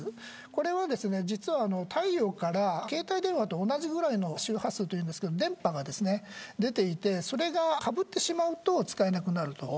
これは太陽から携帯電話と同じぐらいの周波数というんですが電波が出ていてそれがかぶってしまうと使えなくなると。